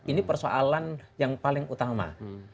ini persoalan yang paling utama